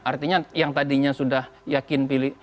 artinya yang tadinya sudah yakin pilih